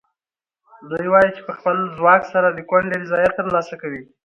دوی وایي چې په خپل ځواک سره د کونډې رضایت ترلاسه کوي.